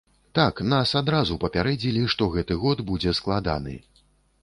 Так, нас адразу папярэдзілі, што гэты год будзе складаны.